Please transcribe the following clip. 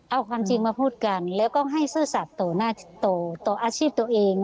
เอาความจริงมาพูดกันแล้วก็ให้เสื้อสัตว์โตโตโตอาชีพตัวเอง